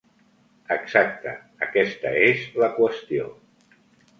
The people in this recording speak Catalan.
Exacte, aquesta és la qüestió.